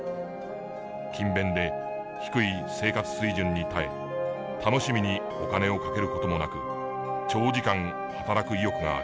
勤勉で低い生活水準に耐え楽しみにお金をかける事もなく長時間働く意欲がある。